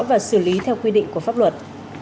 và xử lý theo quy định của pháp luật